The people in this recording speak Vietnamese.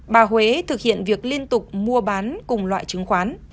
bà huế thực hiện việc liên tục mua bán cùng loại chứng khoán